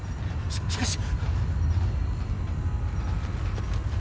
しかし。